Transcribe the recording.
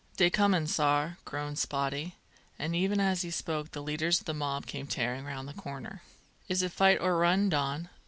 Dey coming, sar!" groaned Spottie; and even as he spoke the leaders of the mob came tearing round the corner. "Is it fight or run, Don?"